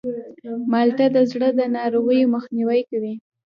مالټه د زړه د ناروغیو مخنیوی کوي.